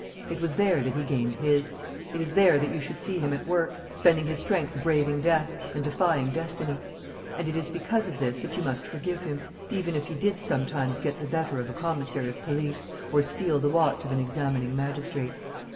It was there that he gained his. It is there that you should see him at work, spending his strength braving death, and defying destiny. And it is because of this that you must forgive him, even if he did sometimes get the better of a commissary of police or steal the watch of an examining magistrate.